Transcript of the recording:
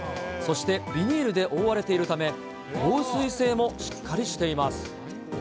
そしてビニールで覆われているため、防水性もしっかりしています。